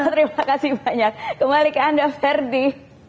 terima kasih banyak kembali ke anda ferdi